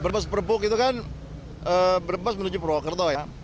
berbes perpuk itu kan berbes menuju purwokerto ya